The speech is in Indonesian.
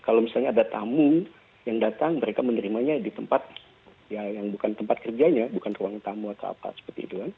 kalau misalnya ada tamu yang datang mereka menerimanya di tempat ya yang bukan tempat kerjanya bukan ruang tamu atau apa seperti itu kan